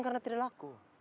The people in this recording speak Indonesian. karena tidak laku